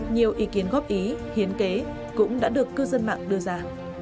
nhiều ý kiến góp ý hiến kế cũng đã được cư dân mạng đưa ra